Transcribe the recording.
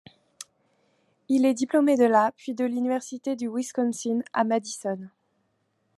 Il est diplômé de la puis de l'Université du Wisconsin à Madison.